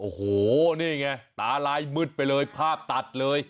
โอ้โหนี่ไงตาลายมืดไปเลยภาพตัดเลย